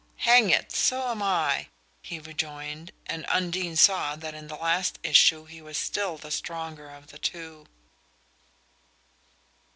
"Hang it so am I!" he rejoined; and Undine saw that in the last issue he was still the stronger of the two.